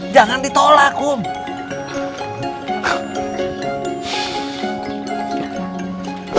jangan ditolak kung